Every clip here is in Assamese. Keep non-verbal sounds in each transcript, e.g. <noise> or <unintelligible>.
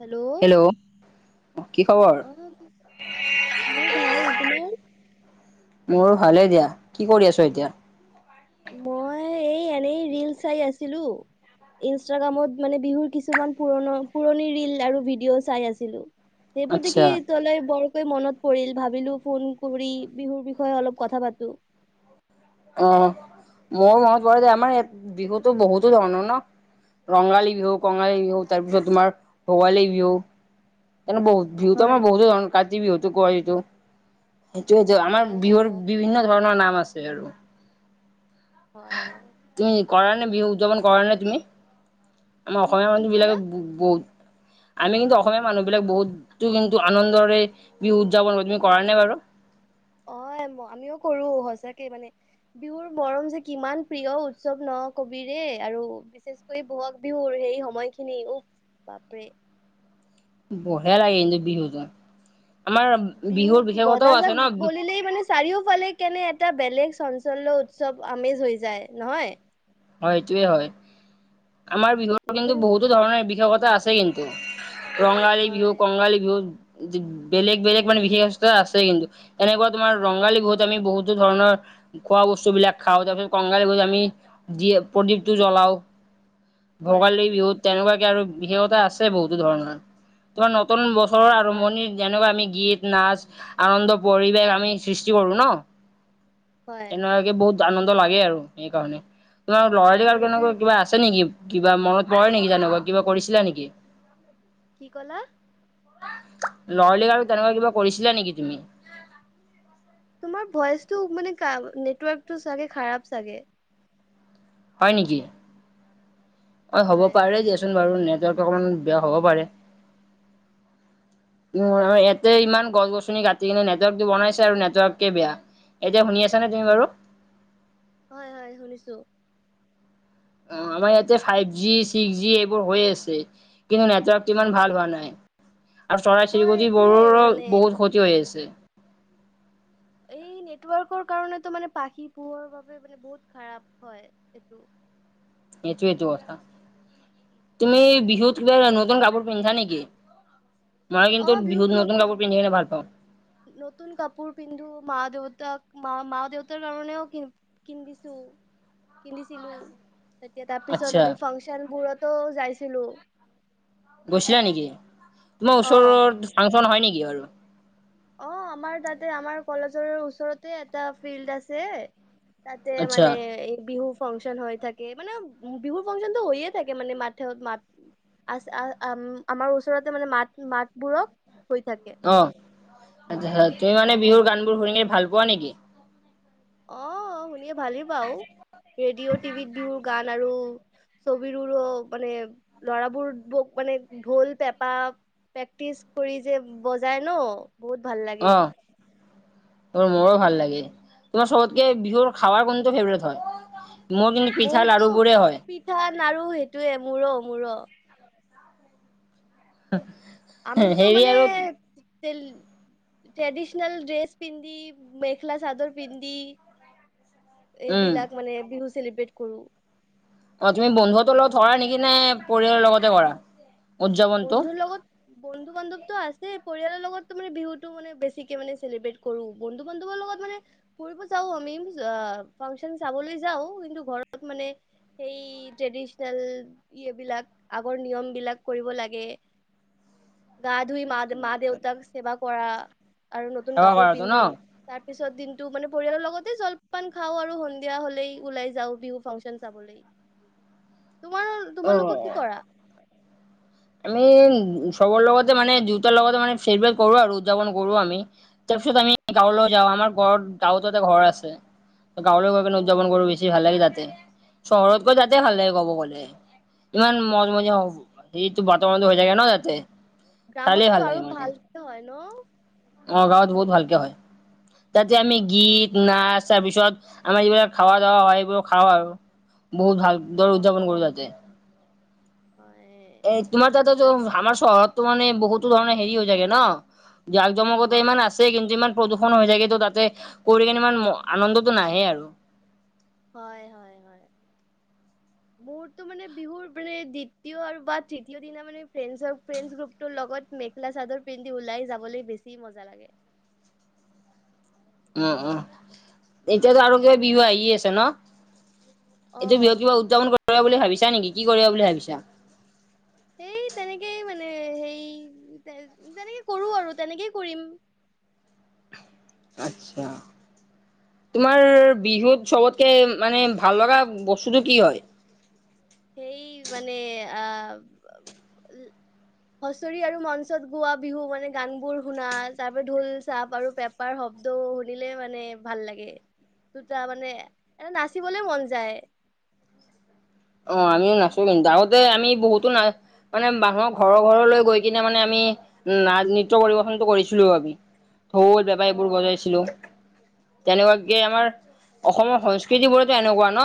হেল্ল' কি খবৰ আহ মোৰ ভাল তোমাৰ। মোৰ ভালে দিয়া কি কৰি আছ এতিয়া? মই এই এনেই ৰীল চাই আছিলো। ইনষ্টাগ্ৰামত মানে বিহুৰ কিছুমান পুৰণ পুৰণি ৰীল আৰু ভিডিঅ' চাই আছিলো। এইবোৰ আচ্ছা দেখি তোলে বৰ মনত পৰিল ভাবিলো ফোন কৰি বিহুৰ বিষয়ে অলপ কথা পাতো। অ ময় মনত প আমাৰ ইয়াত বিহুতো বহুতো ধৰণৰ ন। ৰঙালী বিহু কঙালী বিহু তাৰপিছত তোমাৰ ভোগালী বিহু। এনে বহুত বিহু তু হয় আমাৰ বহুতে ধৰনৰ কাটি বিহু কই হেইটো। সেইটোৱেইতো আমাৰ হয় বিহুৰ হয় বিভিন্ন ধৰণৰ নাম আছে আৰু হয় তুমি কৰা নে বিহু উদযাপন কৰা নে তুমি আমাৰ কি অসমীয়া কি মানুহ ক'লা বিলাকে বহুত আমি কিন্তু অসমীয়া মানুহ বিলাক বহুতো কিন্তু আনন্দৰে বিহু উদযাপন কৰ তুমি কৰা নে বাৰু। অ আমিও কৰো সচাকে মানে বিহুৰ মৰম যে কিমান প্ৰিয় উৎসৱ ন কবিৰে। আৰু বিশেষকৈ বহাগ বিহুৰ সেই সময়খিনি উফ বাপৰে। বহিয়া লাগি এনে বিহুজা বিহুৰ বজাজাক বলিলেই মানে চাৰিওফালে কেনে এটা বেলেগ। চঞ্চল উৎসৱ আমেজ হৈ যায় নহয়। হয় সেটোৱে হয় আমাৰ বিহুৰ কিন্তু নতুন বহুতো ধৰণৰ বিশেষতা আছে কিন্তু। ৰঙালী বিহু হয় কঙালী বিহু। বেলেগ বেলেগ মানে বিশেষস্ত আছে কিন্তু এনেকুৱা তোমাৰ ৰঙালী বহুত আমি বহুতো ধৰণৰ। খোৱা বস্তু বিলাক খাওঁ তাৰপিছত কংগালি বুলি আমি দিয়ে প্ৰদীপটো জ্বলাও, হয় ভোগালীৰ বিহুত তেনেকুৱা- আৰু বিশেষতা আছে বহুতো ধৰণৰ তোমাৰ নতুন বছৰৰ হয় আৰম্ভণি যেনেকুৱা আমি। গীত নাচ আনন্দ পৰিৱেশ আমি সৃষ্টি কৰোঁ ন। হয় তেনেুৱাকে বহুত আনন্দ লাগে আৰু সেইকাৰণে। তোমাৰ লৰালি আৰু মানে বি কেনেকুৱা কিবা আছে নেকি? কিবা মনত পৰে নেকি? তেনেকুৱা কিবা কৰিছিলা নেকি? কি কলা? লৰালি কালত তেনেকুৱা কিবা কৰিছিলা নেকি তুমি? তোমাৰ ভইচটো মানে নেটৱৰ্কটো চাগে খাৰাব চাগে। হয় নেকি অ হ'ব হয় পাৰে, দিয়াচোন বাৰু ন। অকমান বেয়া হ'ব পাৰে। <inaudible> উম ইয়াতে ইমান গছ গছনি কাটি কিনে নেটৱৰ্কটো বনাইছে আৰু নেটৱৰ্কে বেয়া। এতিয়া শুনি আছা নে তুমি বাৰু? হয় হয় শুনিছোঁ? অ আমাৰ ইয়াতে ফাইভ জি ছিক্স জি এইবোৰ হৈ আছে কিন্তু নেটৱৰ্ক। সিমান ভাল হোৱা নাই। আৰু চৰাই হয় চিৰিকটি সেইটোয়ে বোৰৰো মানে বহুত ক্ষতি হৈ আছে। এই নেটৱৰ্কৰ কাৰণটো মানে পাখি পোহৰ বাবে মানে বহুত খাৰাপ হয় এইটো। এইটোৱেটো কথা তুমি হয় বিহুত কিবা নতুন কাপোৰ পিন্ধা নেকি। মই অ কিন্তু বিহুত বিহুতো নতুন কাপোৰ পিন্ধি কিনে ভাল পাওঁ। নতুন কাপোৰ পিন্ধো মা দেউতা তাক মা মা দেউতাৰ কাৰণেও কিন কিনিছিলো। তেতিয়া তাৰ আচ্ছা পিছত আমি ফাংচনবোৰতো যাইছিলো। গৈছিলা নেকি তোমাৰ অ ওচৰত ফাংচন হয় নেকি বাৰু? অ আমাৰ তাতে আমাৰ কলেজৰ ওচৰতে এটা ফিল্ড আছে। তাতে আচ্ছা মানে এই বিহু ফাংচন হৈ থাকে মানে বিহুৰ ফাংচনতটো হৈয়ে থাকে মানে মা মা আ আমাৰ ওচৰতে মানে মাত মাতবোৰক হৈ থাকে আচা তুমি মানে বিহুৰ গান বোৰ শুনি ভাল পোৱা নেকি? অ শুনিয়ে ভালেই পাওঁ ৰেডিঅ' টিভিত বিহুৰ গান আৰু। ছবিবোৰো মানে লৰাবোৰ বোক মানে ঢোল, পেপা প্ৰেক্টিচ কৰি যে বজাই ন বহুত ভাল লাগে। তোমাৰ মোৰ ভাল লাগে তোমাৰ চবতকে বিহুৰ খাৱাৰ কোনটো ফেভৰেট হয়। মোৰ কিন্তু পিঠা মোৰতো লাৰু বোৰে হয়। পিঠা লাৰু সেইটোয়ে মোৰো মোৰো। আমিতো হেৰি মানে আৰু ট্ৰেডিশনল ড্ৰেছ পিন্ধি মেখেলা চাদৰ পিন্ধি উম এইবিলাক মানে বিহু চেলিব্ৰেট কৰোঁ। অ তুমি বন্ধুহতৰ লগত থকা নেকি নে পৰিয়ালৰ লগতে কৰা। উদযাপনটো বন্ধুৰ লগত বন্ধু বান্ধৱতো আছে পৰিয়ালৰ লগত বিহুটো মানে বেছিকে মানে চেলিব্ৰেট কৰোঁ বন্ধু বান্ধৱৰ লগত মানে ফুৰিব যাওঁ আমি। ফাংচন চাবলৈ যাওঁ কিন্তু ঘৰত মানে সেই ট্ৰেডিচনেল ইয়বিলাক আগৰ নিয়ম বিলাক কৰিব লাগে গা ধুই মা মা দেউতাক সেৱা কৰা আৰু নতুন সেৱা কাপোৰ কৰাটো ন? পিন্ধো তাৰ পিছত দিনটো মানে পৰিয়ালৰ লগতে জলপান খাও আৰু সন্ধিয়া হলেই ওলাই যাওঁ বিহু ফাংচন চাবলৈ তোমাৰ তোমালোকক অ কি কৰা? আমি উ চবৰ লগতে মানে দেউতাৰ লগতে মানে ফেৰবেৰ কৰো আৰু উদযাপন কৰো আমি তাৰপিছত আমি গাঁৱলৈ যাওঁ আমাৰ ঘৰত গাঁৱতো এটা ঘৰ আছে গাঁৱলৈ অ গৈনে উদযাপন কৰ বেছি ভাল লাগে তাতে চহৰতকৈ তাতে ভাল লাগে ক'ব গ'লে ইমান মজমজি হব। এইটো বৰ্তমানতো হৈ যায়গে ন তাতে। চালে গ্ৰামততো লাগে আৰু মানে ভাল হয় ন। অ গাঁৱত বহুত ভালকে হয় তাতে অ', আমি গীত নাচ তাৰ পিছত আমাৰ যিবিলাক খাৱা দাৱা হয় সেইবোৰ খাওঁ আৰু বহুত ভাল দৰ অ', উদযাপন কৰো তাতে। হয়। এ তোমাৰ তাতে টো আমাৰ চহৰততো মানে বহুতো ধৰণৰ হেৰি হৈ যায়গে ন জাক জমকত অ', ইমান আছে কিন্তু ইমান প্ৰদূষণ হৈ যায়গে তো তাতে কৰি কিনে ইমান আনন্দতটো নাহে আৰু হয় হয় হয় মোৰটো মানে বিহুৰ মানে দ্বিতীয় আৰু বা তৃতীয় দিনা মানে ফ্ৰেন ফ্ৰেণ্ডছ গ্ৰুপটোৰ লগত মেখেলা চাদৰ পিন্ধি ওলাই যাবলৈ বেছি মজা লাগে উম উম এতিয়াতো আৰু কিবা বিহু আহিয়ে আছে ন। এইটো বিহুত অ', কিবা উদযাপন কৰিব বুলি ভাবিছা নেকি কি কৰিবা বুলি ভাবিছা? এই তেনেকেই মানে হেই তেনেকে কৰো আৰু তেনেকেই কৰিম। আচ্ছা তোমাৰ বিহুত চবতকে মানে ভাল লগা বস্তুটো কি হয়। সেই মানে আহ উ হুচৰি আৰু মঞ্চত গোৱা বিহু মানে গান বোৰ শুনা তাৰ পৰা ঢোল চাপ আৰু পেপাৰ শব্দ, শব্দ শুনিলে মানে ভাল লাগে দুটা মানে এটা নাচিবলৈ মন যায় অ আমিও নাচো কিন্তু তোতে আমি বহুতো না মানে মানুহক ঘৰৰ ঘৰলৈ গৈ কিনে মানে আমি উম ন নৃত্য পৰিবেশনতটো কৰিছিলোও আমি ঢৌল বেপাৰ অ এইবোৰ বজাইছিলো তেনেকুৱাকে আমাৰ অসমৰ সংস্কৃতি বোৰতো এনেকুৱা ন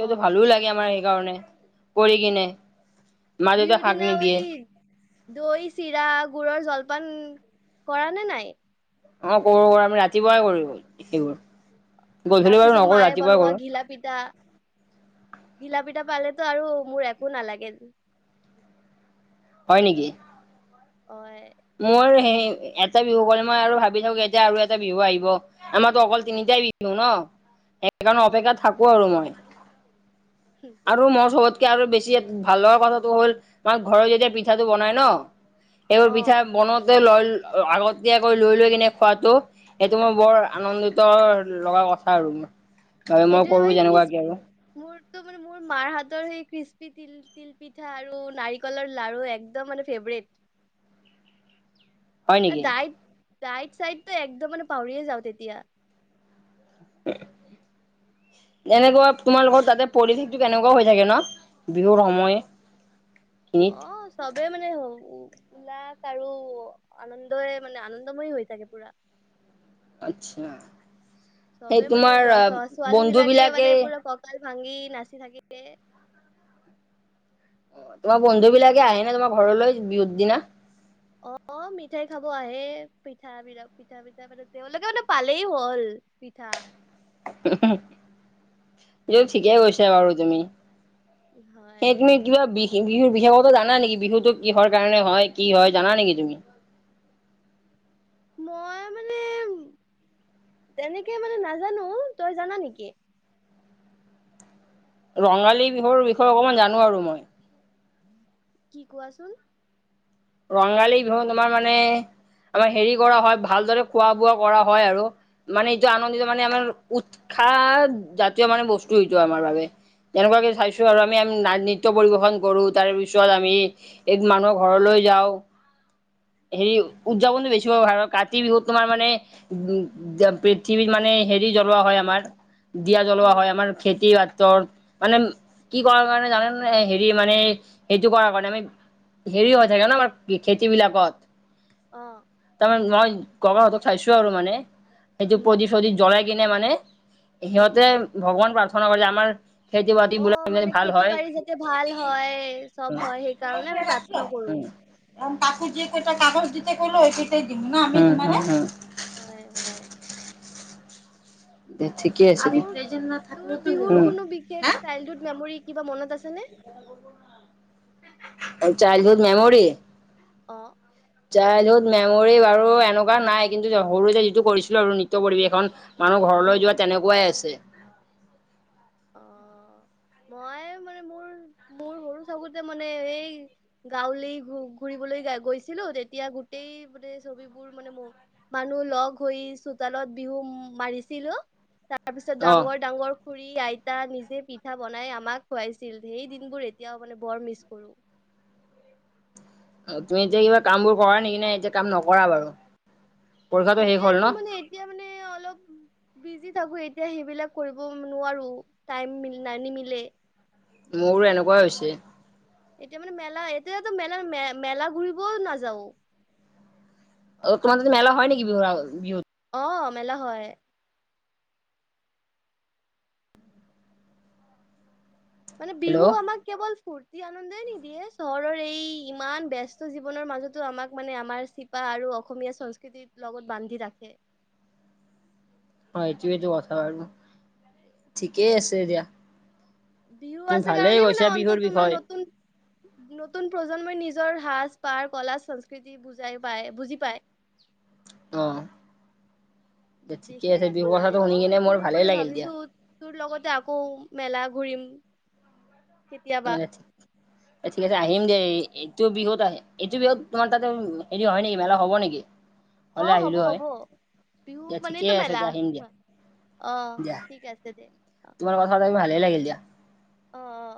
অ ভালো লাগে আমাৰ সেইকাৰণে কৰি কিনে মা দেউতাই বিহুৰ শাক দিনা নিদিয়ে দৈ চিৰা গুৰৰ জলপান কৰা নে নাই অ কৰো কৰো আমি ৰাতিপুৱাই কৰিল সেইবোৰ গধূলি বাৰু তাৰপিছত নকৰো মায়ে ৰাতিপুৱাই বনোৱা কৰো ঘিলাপিঠা ঘিলাপিঠা পালো আৰু মোৰ একো নালাগে হয় নেকি হয় মোৰ সেই এটা বিহু কলে মই আৰু ভাবি থাকো এতিয়া আৰু এটা বিহু আহিব আমাৰো অকল তিনিটা ন অ সেইকাৰণে অপেক্ষা থাকো আৰু মই আৰু মোৰ চবত আৰু বেছি ভাল লগা কথাটো হ'ল আমাৰ ঘৰত যেতিয়া পিঠাটো বনাই ন অ সবোৰ পিঠা বনতে লয় আগতীয়াকৈ লৈ লৈ কিনে খোৱাাতটো সেইটো মই বৰ আনন্দিত লগা কথা আৰু হয় মই কৰো যেনেকুৱাকে আৰু ম মোৰ মাৰ হাতৰ সেই কৃসি তিল তিল পিঠা আৰু নাৰিকলৰ লাৰু একদম মানে ফেভৰেট <inaudible> হয় নেকি? দাইত দাইত চাইতো একদম মানে পাহৰিয়ে যাওঁ তেতিয়া <unintelligible> এনেকুৱা তোমালোকৰ তাতে পৰিৱেশটো কেনেকুৱা হৈ থাকে ন বিহুৰ সময় অ চবেই মানে হ উল্লাস আৰু আনন্দই মানে আনন্দময়ী হৈ থাকে পুৰা আচ্ছা সেই চবে মানে তোমাৰ ল ছ ছোৱালী বিলাকে মানে পুৰা ককাল ভাঙি নাচি থাকিলে অ তোমাৰ বন্ধু বিলাকে আহে নে তোমাৰ ঘৰলৈ বিহুত দিনা? অ অ মিঠাই খাব আহে পিঠা বি পিঠা পিঠা তেওঁলোকে মানে পালেই হল পিঠা অ য ঠিকেই কৈছা বাৰু তুমি সেই হয় তুমি কিবা বি বিহুৰ বিশেষতো জানা নেকি বিহুতটো কিহৰ কাৰণে হয় কি হয় জানা নেকি তুমি? <inaudible> মই মানে তেনেকে মানে নাজানো তই জানা নেকি ৰঙালী বিহুৰ বিষয়ে অকমান জানো আৰু মই কি কোৱাচোন? ৰঙালী বিহু তোমাৰ মানে, আমাৰ হেৰি কৰা হয় ভালদৰে খোৱা বোৱা কৰা হয় আৰু মানে এইটো আনন্দিত মানে আমাৰ উৎ খা জাতীয় মানে বস্তুটো আমাৰ বাবে তেনেকুৱাকে চাইছো আৰু আমি নৃত্য পৰিবেশন কৰো তাৰ পিছত আমি এই মানুহৰ ঘৰলৈ, যাও হেৰি উদযাপনতটো বেছি প কাতি বিহুত তোমাৰ মানে উম পৃথিৱীত মানে মানে হেৰি জ্বলোৱা হয় আমাৰ দিয়া জ্বলোৱা উম হয় আমাৰ খেতি বা। ত মানে কি কৰাৰ কাৰণে জানে নে হেৰি মানে সেইটো কৰাৰ কাৰণে আমি। হেৰি হৈ থাকে ন আমাৰ খেতি অ বিলাকত তাৰমানে মই। কবাত চাইছোঁ আৰু মানে সেইটো উম প্ৰদীপ চদিপ জ্বলাই কিনে মানে। উম সিহঁতে ভগৱান প্ৰাৰ্থনা কৰিলে মানে আমাৰ। খেতি বাতি অ' বিলাক মানে ভাল খেতি হয়। বাৰী যাতে ভাল হয় চব হয় সেইকাৰণে আমি প্ৰাৰ্থনা কৰো। কাকো যে কেইটা কাগজ দিতে কৈলো এ এইকেইটাই দিম না আমি তোমাৰে। হয় হয়। ঠিকে আছে এইটো দে তোৰ বিহুৰ উম কোনো বিশেষ চাইল্ডত কিবা মেমৰী কিবা মনত আছে নে? Childhood memory. অ। চাইল্ডহুড মেমৰি বাৰু এনেকুৱা নাই কিন্তু সৰুতে যিটো কৰিছিলোঁ আৰু নিত্য পৰিৱেশন। মানুহ উম ঘৰলৈ যোৱা তেনেকুৱাই আছে। অ। মই মানে মোৰ মোৰ সৰু থাকোঁতেই মানে এই গাঁৱলী ঘ ঘূৰি। গৈছিলোঁ তেতিয়া গোটেই মান ছবিবোৰ মানে মানুহ লগ হৈ চোতালত। বিহু মাৰিছিলোঁ তাৰ পিছত অ ডাঙৰ ডাঙৰ খুৰী আইতা নিজে পি। পিঠা বনাই আমাক খোৱাইছিল সেই দিনবোৰ এতিয়াওঁ মানে বৰ মিছ কৰোঁ। অ তুমি এতিয়া কিবা কাম বোৰ কৰা নেকি নেএতিয়া কাম নকৰা বাৰু? পৰীক্ষাটো শেষ হ'ল ন এতিয়ো মানে এতিয়া মানে অলপ বিজি থাকোঁ। এতিয়া সেইবিলাক কৰিব নোৱাৰোঁ টাইম নি নিমিলে। মোৰো এনেকুৱা হৈছে। এতিয়া মানে মেলা এতিয়াতো মেলা মেলা ঘূৰিবও নাযাওঁ। অ তোমালোকৰ মেলা হয় নেকি বিহু বিহুত। অ মেলা হয়। মানে হেল্ল' বিহু আমাক কেৱল ফুৰ্তি। আনন্দে নিদিয়ে চহৰৰ এই ইমান ব্যস্ত জীৱনৰ মাজতো আমাক মানে আমাৰ চিপা আৰু। অসমীয়া সংস্কৃতিৰ লগত বান্ধি ৰাখে। অ এইটোতো কথা আৰু ঠিকেই আছে দিয়া। বিহু তুমি আছে ভালেই কাৰণে মানে কৈছা বিহুৰ অন্তত মানে বিষয়ে নতুন নতুন প্ৰজন্মই নিজ। নিজৰ সাজ পাৰ কলা সংস্কৃতি বুজাই পায় বুজি পায়। অহ। বিশেষ একো নাই অ এইবোৰ ভালেই মানে লাগিল দিয়া ভাবিছোঁ তোৰ লগতে আকৌ। মেলা ঘূৰিম। কেতিয়াবা মানে অ ঠিক আছে। আহিম দেই এইটো বিহুত আহে এইটো বিহুত তোমাৰ তাতে হেৰি হয় নেকি মেলা হব নেকি। অ হ'লে হ'ব আহিলো হয় হ'ব বিহু দিয়া ঠিকে মানটো আছে মেলা। দিয়া আহিম দিয়া আহ ঠিক আছে দে অ। ভাল লাগিল দিয়া। অ অ।